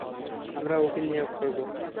আমরা উকিল নিয়োগ করব?